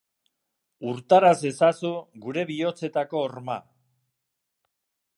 Urtaraz ezazu gure bihotzetako horma.